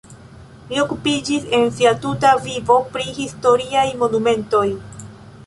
Li okupiĝis en sia tuta vivo pri historiaj monumentoj.